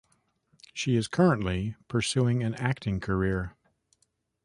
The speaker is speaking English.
She is currently pursuing an acting career.